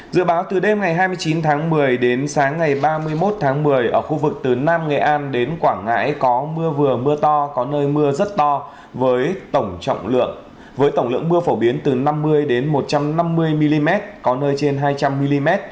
dự báo từ đêm ngày hai mươi chín tháng một mươi đến sáng ngày ba mươi một tháng một mươi ở khu vực từ nam nghệ an đến quảng ngãi có mưa vừa mưa to có nơi mưa rất to với tổng lượng mưa phổ biến từ năm mươi một trăm năm mươi mm có nơi trên hai trăm linh mm